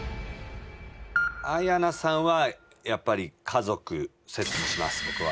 彩奈さんはやっぱり家族説にします僕は。